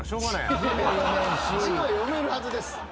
字は読めるはずです。